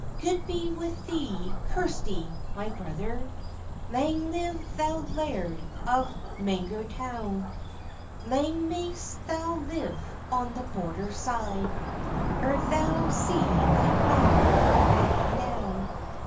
"God be with thee, Kirsty, my brother, Lang live thou laird of Mangertoun! Lang may'st thou live on the Border side, Ere thou see thy brother ride up and down!